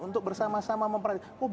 untuk bersama sama memperhatikan